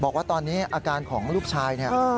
บอกว่าตอนนี้อาการของลูกชายเนี่ย